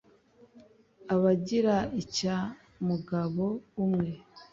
abagira icya mugabo umwe.